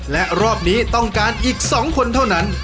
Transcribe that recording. และรอบนี้ต้องการอีก๒คนเท่านั้น